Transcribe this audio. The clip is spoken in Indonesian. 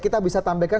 kita bisa tampilkan